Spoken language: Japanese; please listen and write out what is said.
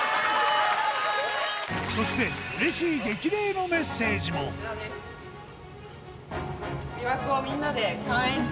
そしてうれしい激励のメッセージもこちらです。